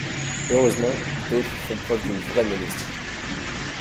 Heureusement, d'autres font preuve d'une vraie modestie.